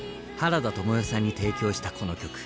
原田知世さんに提供したこの曲